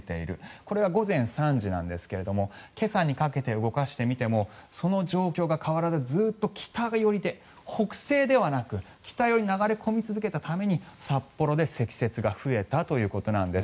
これが午前３時なんですけども今朝にかけて動かしてみてもその状況が変わらずずっと北寄りで北西ではなく北寄りに流れ込み続けたために札幌で積雪が増えたということなんです。